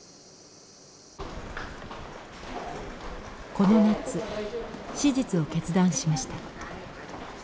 この夏手術を決断しました。